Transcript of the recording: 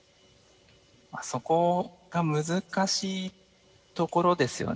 そこが難しいところですよね。